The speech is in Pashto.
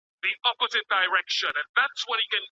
ولي مدام هڅاند د لایق کس په پرتله موخي ترلاسه کوي؟